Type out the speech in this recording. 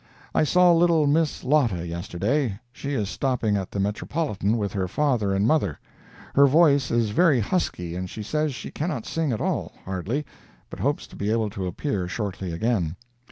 I saw little Miss Lotta yesterday. She is stopping at the Metropolitan with her father and mother. Her voice is very husky and she says she cannot sing at all, hardly, but hopes to be able to appear shortly again.